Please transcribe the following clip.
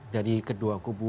dari kedua kubu